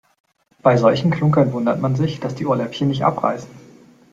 Bei solchen Klunkern wundert man sich, dass die Ohrläppchen nicht abreißen.